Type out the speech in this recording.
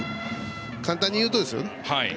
簡単に言うとですよ。